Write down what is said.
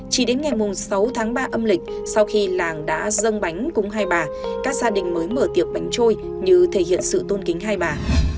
chỉ đến ngày sáu tháng ba âm lịch sau khi làng đã dâng bánh cùng hai bà các gia đình mới mở tiệc bánh trôi như thể hiện sự tôn kính hai bà